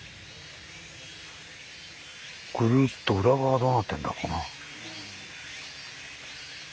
ぐるっと裏側どうなってんだろうな。